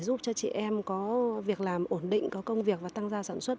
giúp cho chị em có việc làm ổn định có công việc và tăng gia sản xuất